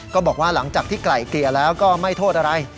ก็บอกว่าหลังจากที่ไกล่เกลี่ยแล้วก็ไม่โทษอะไร